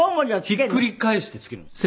ひっくり返して付けるんです。